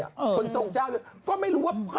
คนทรงเจ้าเลยก็ไม่รู้ว่า